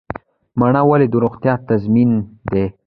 مڼه ولې د روغتیا تضمین ده؟